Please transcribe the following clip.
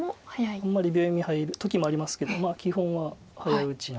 あんまり秒読み入る時もありますけど基本は早打ちな。